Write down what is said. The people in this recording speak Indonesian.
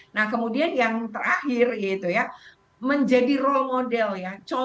nah kemudian yang terakhir yaitu ya menjadi role model ya